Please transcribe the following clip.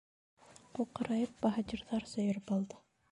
Ҡуҡырайып баһадирҙарса йөрөп алды.